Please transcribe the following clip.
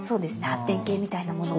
発展系みたいなものを。